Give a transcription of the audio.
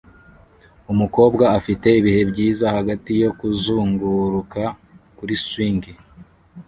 Umukobwa afite ibihe byiza hagati yo kuzunguruka kuri swing